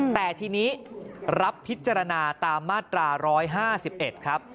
แต่ทีนี้รับพิจารณาตามมาตรา๑๕๑ครับ